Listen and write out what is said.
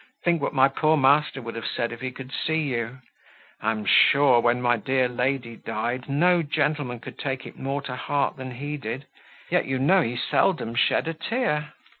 Think what my poor master would have said, if he could see you. I am sure, when my dear lady died, no gentleman could take it more to heart than he did, yet you know he seldom shed a tear."